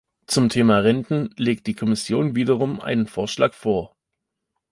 Zum Thema Renten legt die Kommission wiederum einen Vorschlag vor.